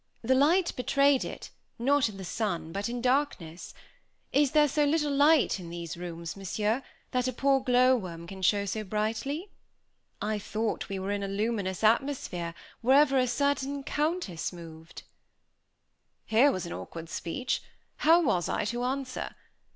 "The light betrayed it, not in the sun but in darkness. Is there so little light in these rooms, Monsieur, that a poor glowworm can show so brightly? I thought we were in a luminous atmosphere, wherever a certain Countess moved?" Here was an awkward speech! How was I to answer?